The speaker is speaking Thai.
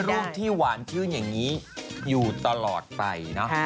ขอให้รูปที่หวานขึ้นอย่างนี้อยู่ตลอดไปนะ